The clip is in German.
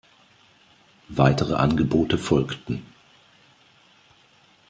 Weitere Angebote folgten.